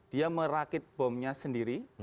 dia merakit bomnya sendiri